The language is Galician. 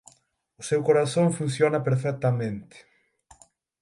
O seu corazón funciona perfectamente.